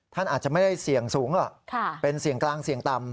ท่านอาจจะไม่ได้เสี่ยงสูงหรอกเป็นเสี่ยงกลางเสี่ยงต่ำ